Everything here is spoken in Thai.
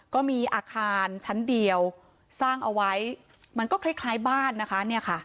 ก็มีอาคารชั้นเดียวสร้างเอาไว้มันก็คล้ายบ้านนะคะเนี่ยค่ะ